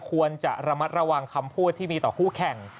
ควรจะระมัดระวังคำพูดที่มีต่อคู่แข่ง